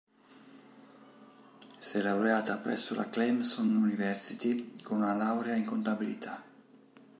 Si è laureata presso la Clemson University con una laurea in contabilità.